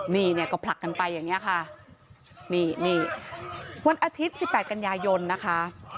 นี่เนี่ยก็ผลักกันไปอย่างนี้ค่ะนี่นี่วันอาทิตย์สิบแปดกันยายนนะคะ